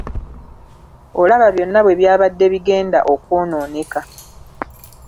Olaba byonna bwe byabadde bigenda okwonooneka.